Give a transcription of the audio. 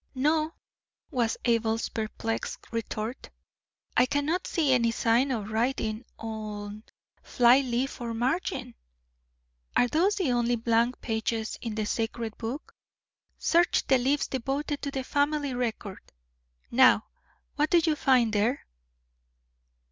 "No," was Abel's perplexed retort; "I cannot see any sign of writing on flyleaf or margin." "Are those the only blank places in the sacred book? Search the leaves devoted to the family record. Now! what do you find there?"